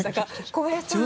小林さん。